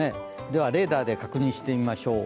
ではレーダーで確認してみましょう。